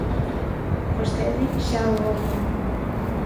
Vostede xa o obvia.